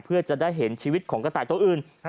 เพื่อจะได้เห็นชีวิตของกระต่ายตัวอื่น